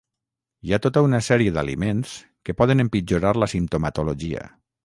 Hi ha tota una sèrie d'aliments que poden empitjorar la simptomatologia.